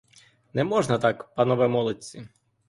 Не можна так, панове молодці!